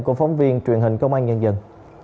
của phóng viên truyền hình công an nhân dân